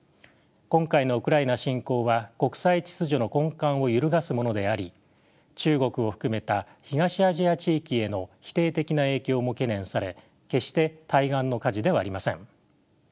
今回のウクライナ侵攻は国際秩序の根幹を揺るがすものであり中国を含めた東アジア地域への否定的な影響も懸念され決して対岸の火事ではありません。